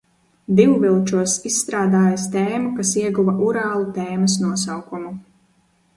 Divvilčos izstrādājis tēmu, kas ieguva Urālu tēmas nosaukumu.